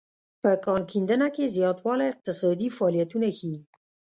په کان کیندنه کې زیاتوالی اقتصادي فعالیتونه ښيي